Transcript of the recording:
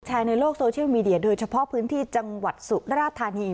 ในโลกโซเชียลมีเดียโดยเฉพาะพื้นที่จังหวัดสุราธานี